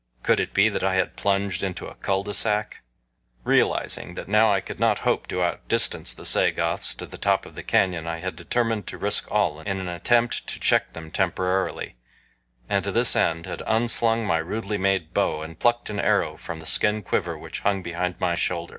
Could it be that I had plunged into a cul de sac? Realizing that I could not hope to outdistance the Sagoths to the top of the canyon I had determined to risk all in an attempt to check them temporarily, and to this end had unslung my rudely made bow and plucked an arrow from the skin quiver which hung behind my shoulder.